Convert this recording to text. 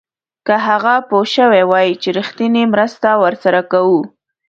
که هغه پوه شوی وای چې رښتینې مرسته ورسره کوو.